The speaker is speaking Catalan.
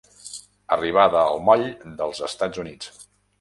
Arribada al Moll dels Estats Units.